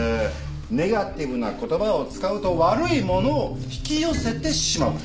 ネガティブな言葉を使うと悪いものを引き寄せてしまう。